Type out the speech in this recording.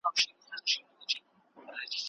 د لیکوالو یادونه زموږ د تاریخ ضرورت دی.